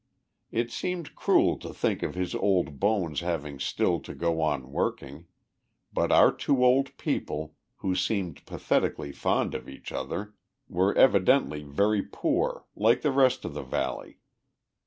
It seemed cruel to think of his old bones having still to go on working, but our two old people, who seemed pathetically fond of each other, were evidently very poor, like the rest of the valley.